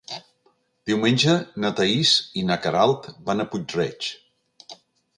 Diumenge na Thaís i na Queralt van a Puig-reig.